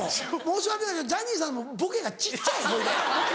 申し訳ないけどジャニーさんもボケが小っちゃいほいで。